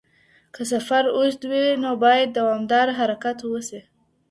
که سفر اوږد وي نو باید دوامداره حرکت وسي.